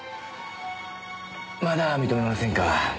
まだ認めませんか？